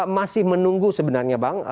masih menunggu sebenarnya bang